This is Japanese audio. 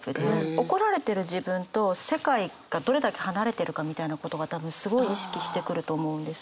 怒られてる自分と世界がどれだけ離れてるかみたいなことが多分すごい意識してくると思うんですよ。